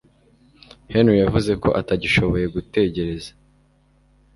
Henry yavuze ko atagishoboye gutegereza